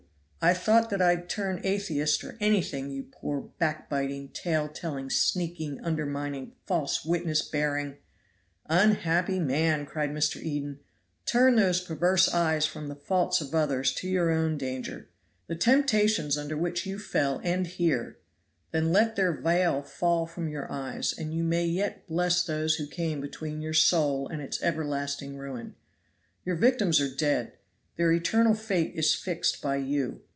If I thought that I'd turn Atheist or anything, you poor, backbiting, tale telling, sneaking, undermining, false witness bearing " "Unhappy man," cried Mr. Eden; "turn those perverse eyes from the faults of others to your own danger. The temptations under which you fell end here; then let their veil fall from your eyes, and you may yet bless those who came between your soul and its everlasting ruin. Your victims are dead; their eternal fate is fixed by you.